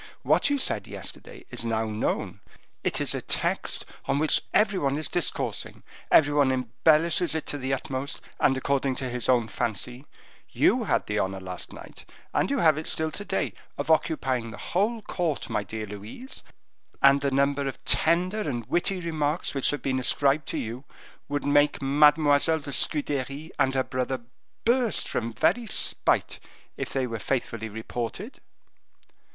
What you said yesterday is now known, it is a text on which every one is discoursing. Every one embellishes it to the utmost, and according to his own fancy; you had the honor last night, and you have it still to day, of occupying the whole court, my dear Louise; and the number of tender and witty remarks which have been ascribed to you, would make Mademoiselle de Scudery and her brother burst from very spite, if they were faithfully reported."